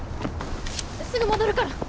すぐ戻るから！